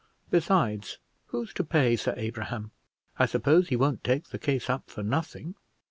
besides, who's to pay Sir Abraham? I suppose he won't take the case up for nothing?"